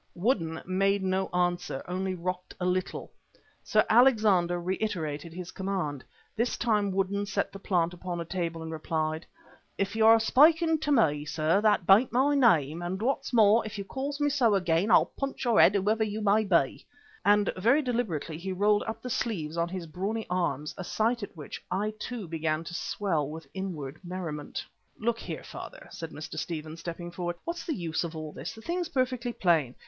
Woodden made no answer, only rocked a little. Sir Alexander reiterated his command. This time Woodden set the plant upon a table and replied: "If you're aspeaking to me, sir, that baint my name, and what's more, if you calls me so again, I'll punch your head, whoever you be," and very deliberately he rolled up the sleeves on his brawny arms, a sight at which I too began to swell with inward merriment. "Look here, father," said Mr. Stephen, stepping forward. "What's the use of all this? The thing's perfectly plain.